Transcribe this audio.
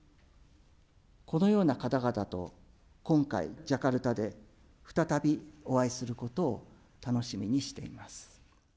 このような方々と、今回、ジャカルタで、再びお会いすることを楽しみにしています。